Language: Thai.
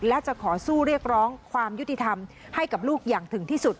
และจะขอสู้เรียกร้องความยุติธรรมให้กับลูกอย่างถึงที่สุด